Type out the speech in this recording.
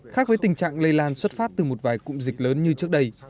khác với tình trạng lây lan xuất phát từ một vài cụm dịch lớn như trước đây